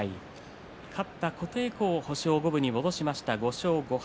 勝った琴恵光は星を五分に戻しました、５勝５敗。